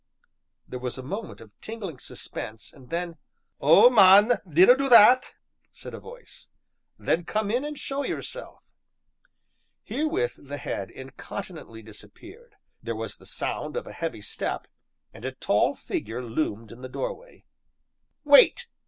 There was a moment of tingling suspense, and then: "Oh, man, dinna do that!" said a voice. "Then come in and show yourself!" Herewith the head incontinently disappeared, there was the sound of a heavy step, and a tall figure loomed in the doorway. "Wait!"